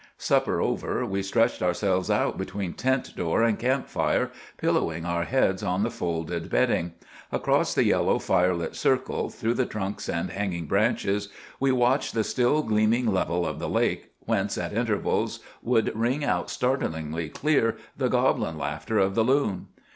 Supper over, we stretched ourselves out between tent door and camp fire, pillowing our heads on the folded bedding. Across the yellow, fire lit circle, through the trunks and hanging branches, we watched the still, gleaming level of the lake, whence at intervals would ring out startlingly clear the goblin laughter of the loon.